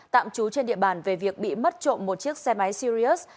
tạm trú trên địa bàn về việc bị mất trộm một chiếc xe máy sirius